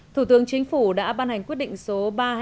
thủ tướng chính phủ đã ban hành quyết định số ba